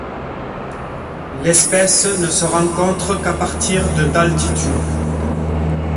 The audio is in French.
L'espèce ne se rencontre qu'à partir de d'altitude.